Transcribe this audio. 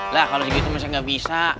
lah kalau segitu masih nggak bisa